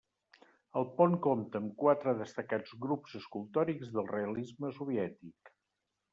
El pont compta amb quatre destacats grups escultòrics del realisme soviètic.